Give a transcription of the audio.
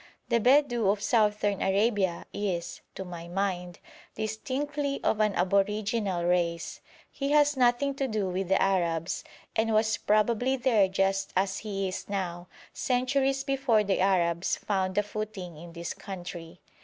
The Bedou of Southern Arabia is, to my mind, distinctly of an aboriginal race. He has nothing to do with the Arabs, and was probably there just as he is now, centuries before the Arabs found a footing in this country.